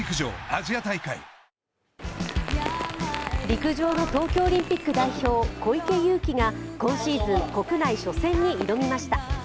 陸上の東京オリンピック代表小池祐貴が今シーズン国内初戦に挑みました。